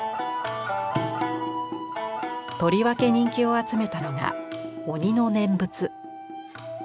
とりわけ人気を集めたのが「鬼の念仏」。